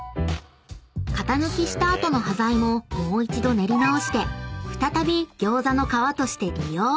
［型抜きした後の端材ももう一度練り直して再び餃子の皮として利用］